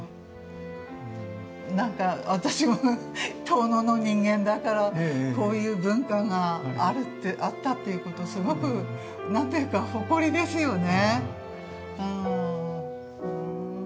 何か私も遠野の人間だからこういう文化があったっていうことをすごく何て言うか誇りですよね。